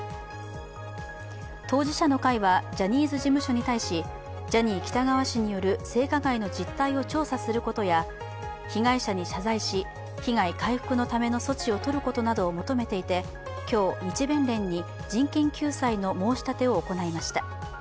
当事者の会はジャニーズ事務所に対しジャニー喜多川氏による性加害の実態を調査することや被害者に謝罪し、被害回復のための措置をとることなどを求めていて、今日、日弁連に人権救済の申し立てを行いました。